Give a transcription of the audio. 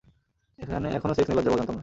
এখনো সেক্স নিয়ে লজ্জা পাও, জানতাম না।